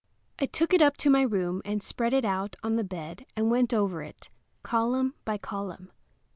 I took it up to my room and spread it out on the bed and went over it, column by column.